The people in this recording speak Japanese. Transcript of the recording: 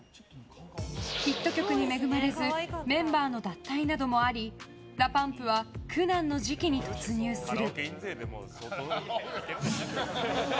ヒット曲に恵まれずメンバーの脱退などもありＤＡＰＵＭＰは苦難の時期に突入する。